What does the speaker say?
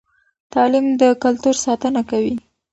تعلیم د کلتور ساتنه کوي.